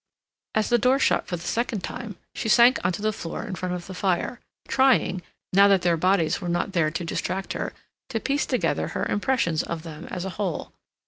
As the door shut for the second time, she sank on to the floor in front of the fire, trying, now that their bodies were not there to distract her, to piece together her impressions of them as a whole.